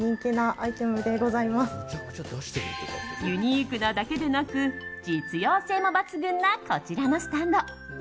ユニークなだけでなく実用性も抜群なこちらのスタンド。